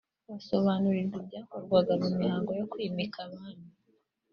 basobanurirwa ibyakorwaga mu mihango yo kwimika Abami